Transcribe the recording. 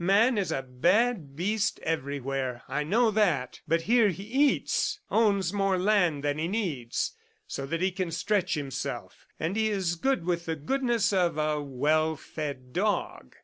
... Man is a bad beast everywhere, I know that; but here he eats, owns more land than he needs so that he can stretch himself, and he is good with the goodness of a well fed dog.